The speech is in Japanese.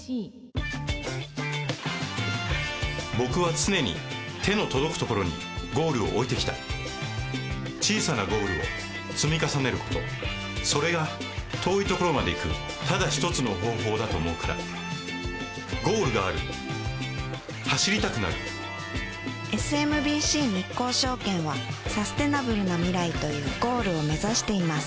僕は常に手の届くところにゴールを置いてきた小さなゴールを積み重ねることそれが遠いところまで行くただ一つの方法だと思うからゴールがある走りたくなるＳＭＢＣ日興証券はサステナブルな未来というゴールを目指しています